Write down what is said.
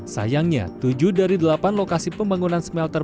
sayangnya tujuh dari delapan lokasi pembangunan smelter